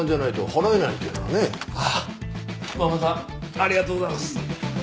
ありがとうございます！